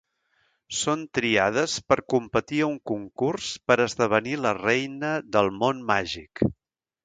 Són triades per competir a un concurs per esdevenir la Reina del Món Màgic.